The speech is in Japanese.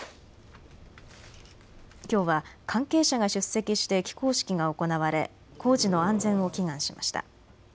きょうは関係者が出席して起工式が行われ工事の安全を祈願しました。